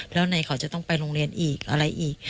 แล้วไหนเขาจะต้องไปโรงเรียนอีกอะไรอีก